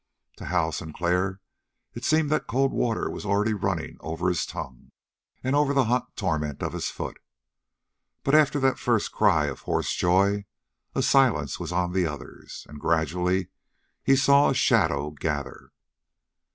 To Hal Sinclair it seemed that cold water was already running over his tongue and over the hot torment of his foot. But, after that first cry of hoarse joy, a silence was on the others, and gradually he saw a shadow gather.